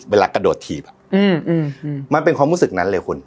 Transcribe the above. เวลากระโดดถีบมันเป็นความรู้สึกนั้นเลยคุณ